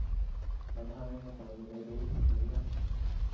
یعنی همه متولدای دی اینجورین؟